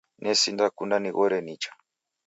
Nesinda kunda nighore nicha